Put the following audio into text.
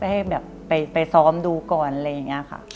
ให้แบบไปซ้อมดูก่อนอะไรอย่างนี้ค่ะ